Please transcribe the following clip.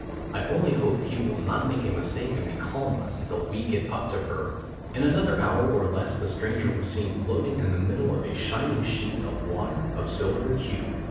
I only hope he will not make a mistake and becalm us till we get up to her." In another hour or less the stranger was seen floating in the middle of a shining sheet of water of silvery hue.